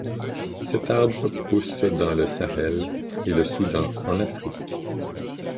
Cet arbre pousse dans le Sahel et le Soudan en Afrique.